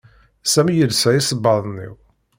Sami yelsa isebbaḍen iw